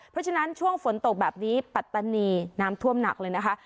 เพราะฉะนั้นช่วงฝนตกแบบนี้ปัตตานีน้ำท่วมหนักเลยนะคะ